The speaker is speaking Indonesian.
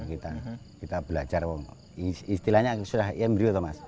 kita belajar istilahnya sudah embryo